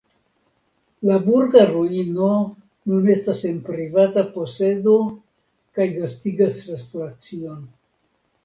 La burga ruino nun estas en privata posedo kaj gastigas restoracion.